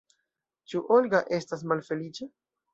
Ĉu Olga estas malfeliĉa?